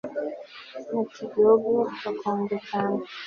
Muri iki gihugu hakonje cyane